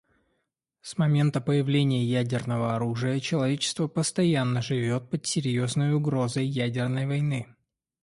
С момента появления ядерного оружия человечество постоянно живет под серьезной угрозой ядерной войны.